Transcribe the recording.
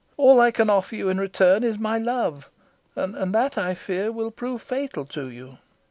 All I can offer you in return is my love, and that, I fear, will prove fatal to you."